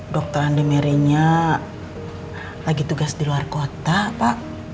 dokter andi merinya lagi tugas di luar kota pak